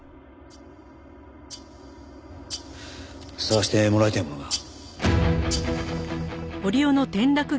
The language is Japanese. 捜してもらいたいものが。